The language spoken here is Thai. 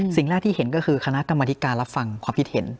สิ่งแรกที่เห็นก็คือคณะกรรมธิการรับฟังความคิดเห็น